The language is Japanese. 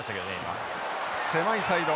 狭いサイド。